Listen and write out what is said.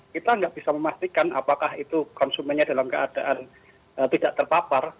kita tidak bisa memastikan apakah itu konsumennya dalam keadaan tidak terpapar